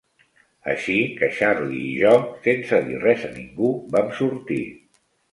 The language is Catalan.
Així que Charley i jo, sense dir res a ningú, vam sortir.